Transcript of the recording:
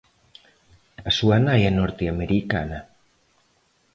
A súa nai é norteamericana.